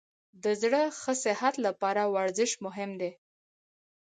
د زړه ښه صحت لپاره ورزش مهم دی.